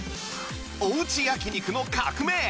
おうち焼肉の革命！